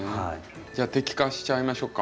じゃあ摘果しちゃいましょうか。